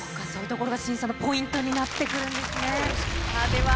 そういうところが審査のポイントになってくるんですね。